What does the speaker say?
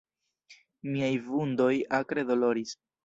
Miaj vundoj akre doloris.